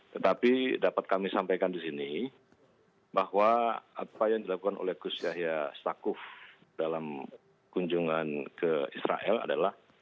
tetapi dapat kami sampaikan di sini bahwa apa yang dilakukan oleh gus yahya stakuf dalam kunjungan ke israel adalah